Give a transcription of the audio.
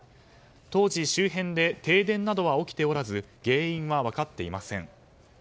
当時、周辺で停電などは起きておらず原因は分かっていません。